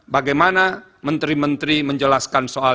bagaimana menteri menteri menjelaskan soal